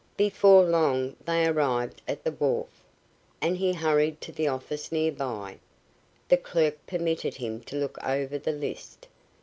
Before long they arrived at the wharf, and he hurried to the office near by. The clerk permitted him to look over the list.